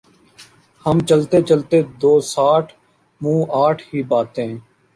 ہم چلتے چلتے دوسآٹھ منہ آٹھ ہی باتیں